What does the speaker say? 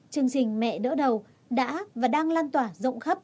chương trình mẹ đỡ đầu đã và đang lan tỏa rộng khắp